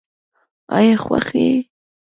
آیا خوښ یې؟